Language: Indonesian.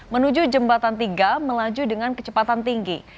menuju jembatan tiga melaju dengan kecepatan tinggi